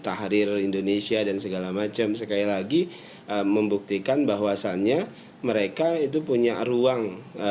tahrir indonesia dan segala macam sekali lagi membuktikan bahwasannya mereka itu punya ruang